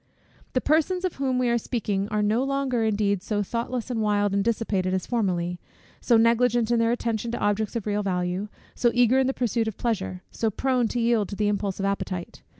The persons of whom we are speaking are no longer, indeed, so thoughtless, and wild, and dissipated, as formerly; so negligent in their attention to objects of real value; so eager in the pursuit of pleasure; so prone to yield to the impulse of appetite.